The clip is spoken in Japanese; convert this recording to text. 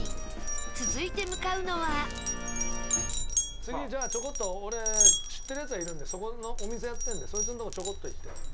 続いて、向かうのは次、じゃあ、ちょこっと俺、知ってるヤツがいるんでそこのお店やってるんでそいつの所、ちょこっと行って。